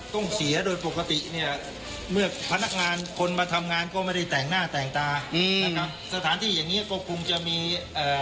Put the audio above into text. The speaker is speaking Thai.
ต้องเสียโดยปกติเนี่ยเมื่อพนักงานคนมาทำงานก็ไม่ได้แต่งหน้าแต่งตาอืมนะครับสถานที่อย่างเงี้ก็คงจะมีเอ่อ